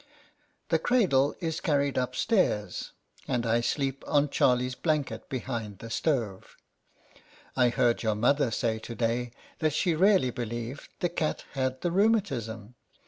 The cradle is carried upstairs, and I sleep on Charlie's blanket behind the stove. I heard your mother 82 LETTERS FROM A CAT. say to day that she really believed the cat had the rheumatism.